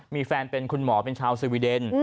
มีแฟนเป็นคุณหมอเป็นชาวสวีเดน